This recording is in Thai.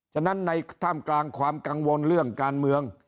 ฉะนั้นในท่ามกลางความกังวลเรื่องการเมือง